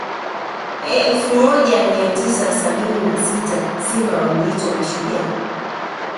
elfu moja mia tisa sabini na sita simba waliitwa mashujaa